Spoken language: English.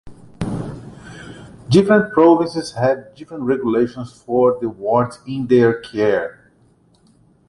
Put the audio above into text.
Different provinces have different regulations for the wards in their care.